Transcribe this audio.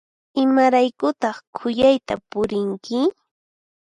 Imaraykutaq khuyayta purinki?